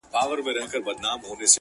زه به يې ياد يم که نه ـ